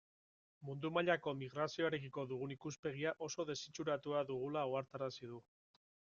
Mundu mailako migrazioarekiko dugun ikuspegia oso desitxuratuta dugula ohartarazi du.